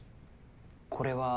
これは。